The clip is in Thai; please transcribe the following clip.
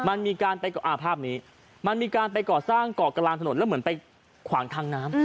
มันมีการไปภาพนี้มันมีการไปก่อสร้างเกาะกลางถนนแล้วเหมือนไปขวางทางน้ำ